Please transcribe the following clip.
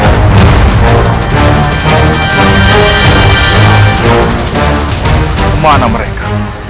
aku akan menang